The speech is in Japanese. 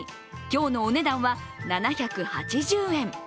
今日のお値段は７８０円。